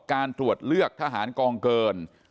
การตรวจเลือกทหารกองเกิน